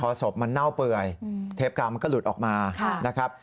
พอศพมันเน่าเปื่อยเทปกามันก็หลุดออกมานะครับ